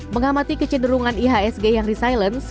mengamati kecenderungan ihsg yang re silence